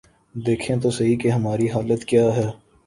دیکھیں تو سہی کہ ہماری حالت کیا ہے۔